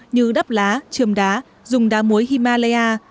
như đắp lá trường đá dùng đá muối himalaya